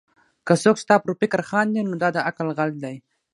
که څوک ستا پر فکر خاندي؛ نو دا د عقل غل دئ.